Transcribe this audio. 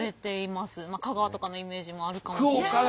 まあ香川とかのイメージもあるかもしれませんが。